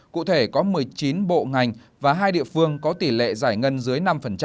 cụ thể có một mươi chín bộ ngành và hai địa phương có tỷ lệ giải ngân dưới năm